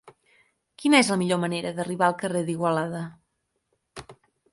Quina és la millor manera d'arribar al carrer d'Igualada?